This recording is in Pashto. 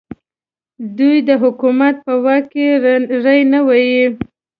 دوی د حکومت په واک کې ری نه واهه.